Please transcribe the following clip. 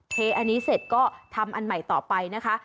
เทอันนี้เสร็จก็ทำอันใหม่ต่อไปนะคะ